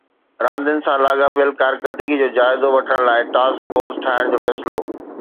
راندين سان لاڳاپيل ڪارڪردگي جو جائزو وٺڻ لاءِ ٽاسڪ فورس ٺاهڻ جو فيصلو